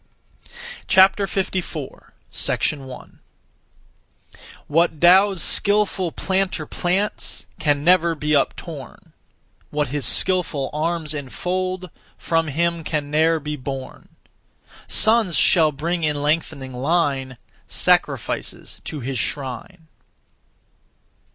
54. 1. What (Tao's) skilful planter plants Can never be uptorn; What his skilful arms enfold, From him can ne'er be borne. Sons shall bring in lengthening line, Sacrifices to his shrine.